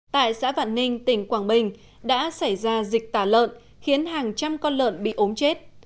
tại xã vạn ninh tỉnh quảng bình đã xảy ra dịch tả lợn khiến hàng trăm con lợn bị ốm chết